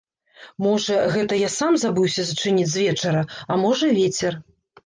Можа, гэта я сам забыўся зачыніць звечара, а можа, вецер.